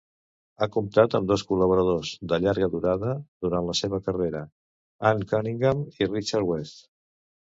Ha comptat amb dos col·laboradors de llarga durada durant la seva carrera, Anne Cunningham i Richard West.